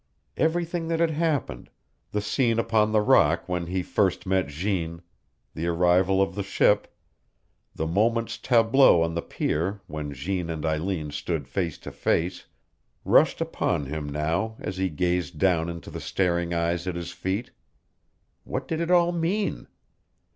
Everything that had happened the scene upon the rock when he first met Jeanne, the arrival of the ship, the moment's tableau on the pier when Jeanne and Eileen stood face to face rushed upon him now as he gazed down into the staring eyes at his feet. What did it all mean?